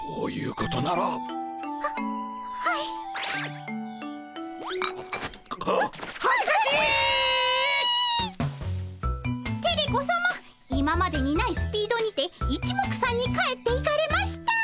今までにないスピードにていちもくさんに帰っていかれました。